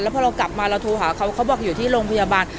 พอเรากลับมาเราโทรหาเขาเขาบอกอยู่ที่โรงพยาบาล